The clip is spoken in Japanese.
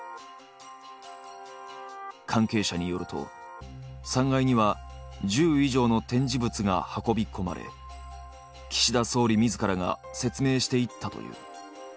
関係者によると３階には１０以上の展示物が運び込まれ岸田総理自らが説明していったという。